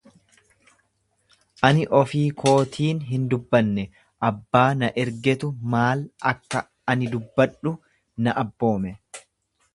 Ani ofii kootiin hin dubbanne, abbaa na ergeetu maal akka ani dubbadhu na abboome.